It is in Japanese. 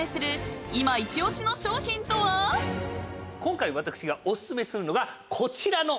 今回私がお薦めするのがこちらの。